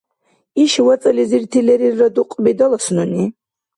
Иш вацӀализирти лерилра дукьби далас нуни.